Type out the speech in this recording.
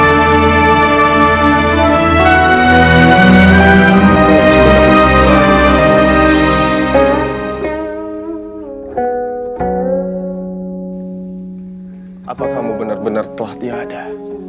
apa kamu benar benar telah tiada